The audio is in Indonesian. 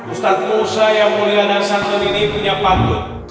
ustaz musa yang mulia dan santun ini punya patut